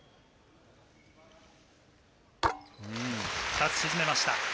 ２つ沈めました。